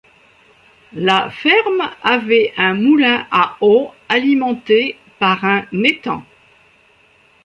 La ferme avait un moulin à eau alimenté par un étang.